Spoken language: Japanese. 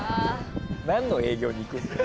なんの営業に行くんだよ。